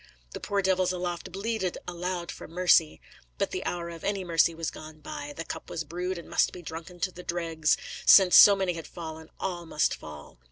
The poor devils aloft bleated aloud for mercy. But the hour of any mercy was gone by; the cup was brewed and must be drunken to the dregs; since so many had fallen all must fall.